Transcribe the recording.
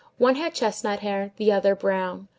One had chestnut hair; the other, brown.